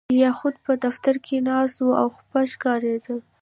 لیاخوف په دفتر کې ناست و او خپه ښکارېده